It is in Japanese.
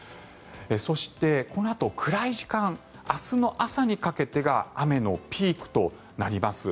そして、このあと暗い時間、明日の朝にかけてが雨のピークとなります。